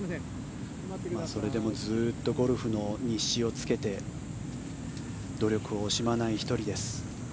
それでもずっとゴルフの日誌をつけて努力を惜しまない１人です。